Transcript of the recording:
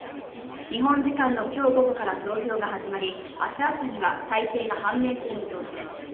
日本時間の今日午後から投票が始まり、明日朝には大勢が判明する見通しです。